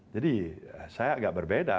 jadi saya agak berbeda